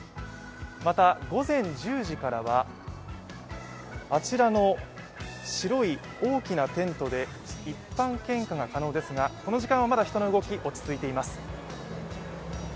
また、午前１０時からは、あちらの白い大きなテントで一般献花が可能ですがこの時間は、まだ人の動き落ち着いています。